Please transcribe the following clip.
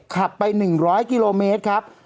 ขับไป๑๐๐กิโลเมตรครับ